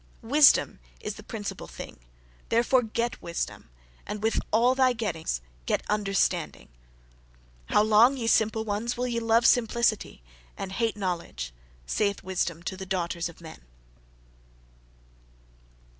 "Wisdom is the principal thing: THEREFORE get wisdom; and with all thy gettings get understanding." "How long ye simple ones, will ye love simplicity, and hate knowledge?" Saith Wisdom to the daughters of men!